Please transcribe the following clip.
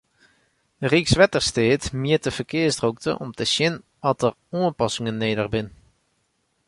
Rykswettersteat mjit de ferkearsdrokte om te sjen oft der oanpassingen nedich binne.